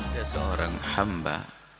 ada seorang hamba